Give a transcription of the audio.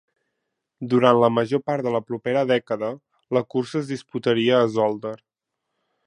Durant la major part de la propera dècada, la cursa es disputaria a Zolder.